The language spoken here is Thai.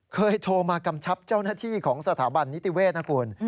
เคยโทรมากำชับเจ้าหน้าที่ของสถาบันนิติเวศนะคุณ